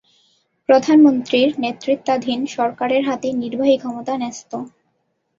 প্রধানমন্ত্রীর নেতৃত্বাধীন সরকারের হাতে নির্বাহী ক্ষমতা ন্যস্ত।